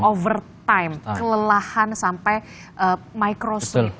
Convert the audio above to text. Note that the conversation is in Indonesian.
over time kelelahan sampai micro sleep